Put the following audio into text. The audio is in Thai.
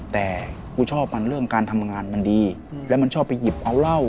แต่กูชอบมันเรื่องการทำงานมันดีแล้วมันชอบไปหยิบเอาเหล้า